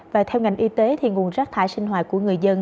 và theo ngành y tế thì nguồn rác thải sinh hoạt của người dân